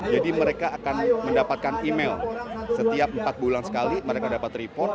jadi mereka akan mendapatkan email setiap empat bulan sekali mereka dapat report